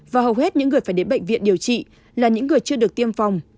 và hầu hết những người phải đến bệnh viện điều trị là những người chưa được tiêm phòng